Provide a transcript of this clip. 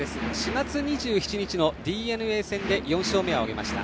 ４月２７日のＤｅＮＡ戦で４勝目を挙げました。